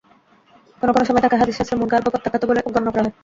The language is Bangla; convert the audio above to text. কোন কোন সময় তাকে হাদীস শাস্ত্রে মুনকার বা প্রত্যাখ্যাত বলে গণ্য করা হয়।